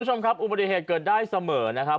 ดิฉมครับอุปการณ์เหตุเกิดได้เสม่อนะครับ